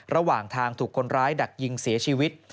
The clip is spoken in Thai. ระหว่างทางถูกคนร้ายดักยิงเสียชีวิต